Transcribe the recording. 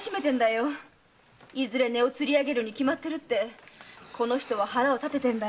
いずれ値をつり上げるに決まってるとこの人は腹を立ててるんだ。